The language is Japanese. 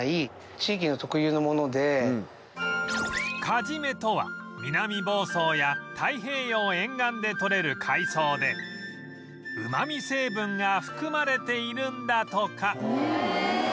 カジメとは南房総や太平洋沿岸でとれる海藻でうまみ成分が含まれているんだとか